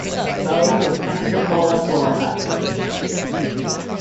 Bogue of Pensacola, Florida.